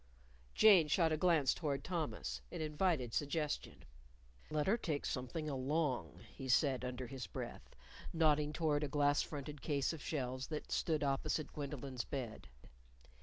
Jane shot a glance toward Thomas. It invited suggestion. "Let her take something along," he said under his breath, nodding toward a glass fronted case of shelves that stood opposite Gwendolyn's bed.